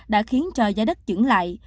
đã khiến cho giá đất chững lại